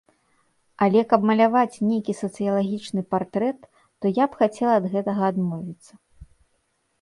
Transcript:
Але каб маляваць нейкі сацыялагічны партрэт, то я б хацела ад гэтага адмовіцца.